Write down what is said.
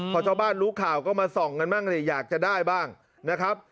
พอชาวบ้านรู้ข่าวก็มาส่องกันบ้างอยากจะได้บ้างนะครับ